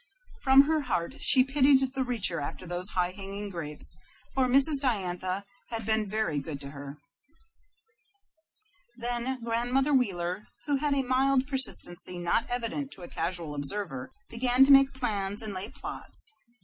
From her heart she pitied the reacher after those high hanging sour grapes, for Mrs. Diantha had been very good to her. Then Grandmother Wheeler, who had a mild persistency not evident to a casual observer, began to make plans and lay plots.